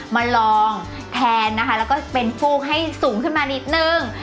มาลองแทนนะคะแล้วก็เป็นฟูกให้สูงขึ้นมานิดนึง